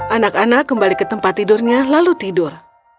anak anak kembali ke tempat tidurnya lalu tidur